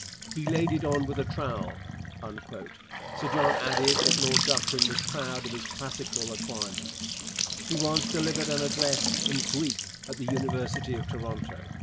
'He laid it on with a trowel.' Sir John added that Lord Dufferin was proud of his classical acquirements. He once delivered an address in Greek at the University of Toronto.